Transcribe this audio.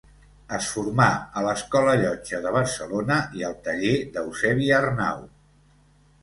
Es formà a l'Escola Llotja de Barcelona i al taller d'Eusebi Arnau.